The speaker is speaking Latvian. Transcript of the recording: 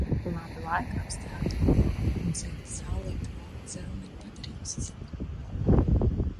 Ir labi laika apstākļi un silta saulīte lauku zelmeni padarījusi zaļu.